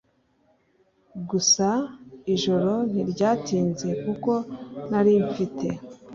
Gusa ijoro ntiryatinze kuko narimfite